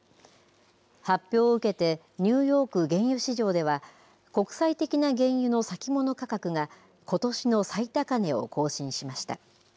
発表を受けてニューヨーク原油市場では、国際的な原油の先物価格が、ことしの最高値を更新しました。